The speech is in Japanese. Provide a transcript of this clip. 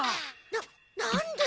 なっなんで？